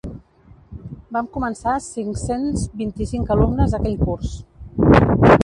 Vam començar cinc-cents vint-i-cinc alumnes aquell curs.